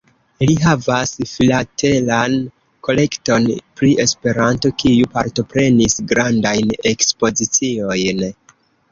Li havas filatelan kolekton pri Esperanto, kiu partoprenis grandajn ekspoziciojn.